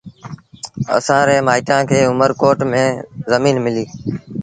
اَسآݩ ري مآئيٚٽآن کي اُمرڪوٽ ميݩ زڃين مليٚ۔